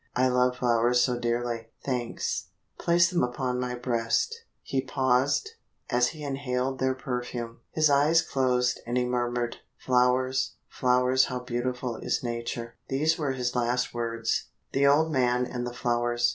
I love flowers so dearly. Thanks place them upon my breast." He paused, as he inhaled their perfume. His eyes closed, and he murmured: "Flowers, flowers, how beautiful is Nature!" These were his last words. THE OLD MAN AND THE FLOWERS.